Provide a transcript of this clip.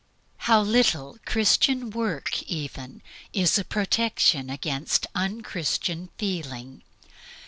How little Christian work even is a protection against un Christian feeling!